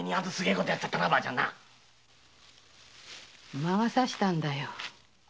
魔がさしたんだよ。